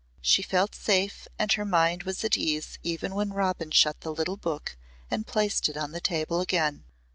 She felt safe and her mind was at ease even when Robin shut the little book and placed it on the table again.